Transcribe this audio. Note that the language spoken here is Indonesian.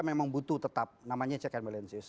memang butuh tetap namanya check and balances